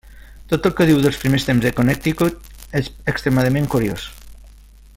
Tot el que diu dels primers temps de Connecticut és extremament curiós.